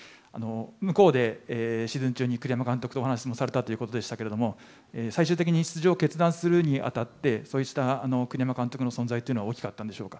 向こうでシーズン中に栗山監督とお話もされたということですけれども、最終的に出場を決断するにあたって、そうした栗山監督の存在っていうのは大きかったんでしょうか。